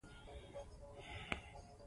ـ چې غل نه وې د پاچاه نه مه ډارېږه.